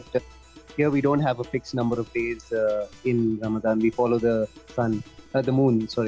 tapi ya mungkin kamu bisa beritahu mereka bahwa kita tidak punya jumlah hari yang berat di ramadhan